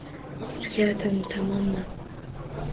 Tugadim tamoman.